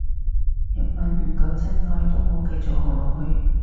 日文唔夠真愛都冇繼續學落去